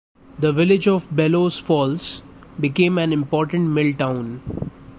The village of Bellows Falls became an important mill town.